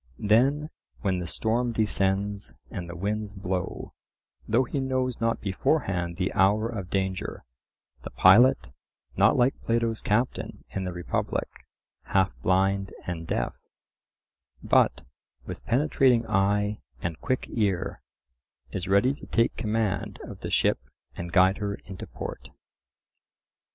Then when the storm descends and the winds blow, though he knows not beforehand the hour of danger, the pilot, not like Plato's captain in the Republic, half blind and deaf, but with penetrating eye and quick ear, is ready to take command of the ship and guide her into port.